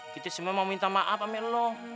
kita semua mau minta maaf sama lo